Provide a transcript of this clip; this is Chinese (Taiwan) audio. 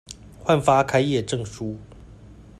換發開業證書